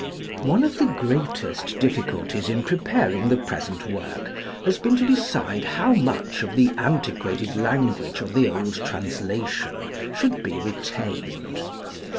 One of the greatest difficulties in preparing the present work has been to decide how much of the antiquated language of the old translation should be retained.